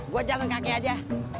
gua jalan kaki aja